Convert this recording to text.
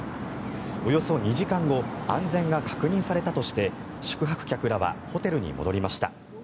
およそ２時間後安全が確認されたとして宿泊客らはホテルに戻りました。